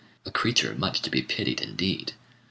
A creature much to be pitied indeed!